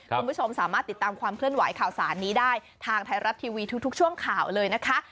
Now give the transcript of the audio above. คุณผู้ชมสามารถติดตามความเคลื่อนไหวข่าวสารนี้ได้ทางไทยรัฐทีวีทุกช่วงข่าวเลยนะคะ